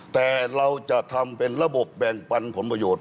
แต่เราจะทำเป็นระบบแบ่งปันผลประโยชน์